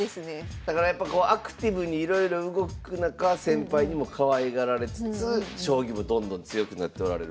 だからやっぱこうアクティブにいろいろ動く中先輩にもかわいがられつつ将棋もどんどん強くなっておられる。